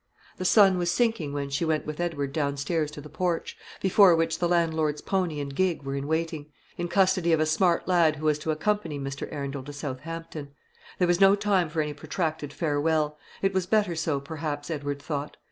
The sun was sinking when she went with Edward downstairs to the porch, before which the landlord's pony and gig were in waiting, in custody of a smart lad who was to accompany Mr. Arundel to Southampton. There was no time for any protracted farewell. It was better so, perhaps, Edward thought.